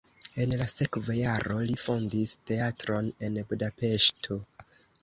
En la sekva jaro li fondis teatron en Budapeŝto.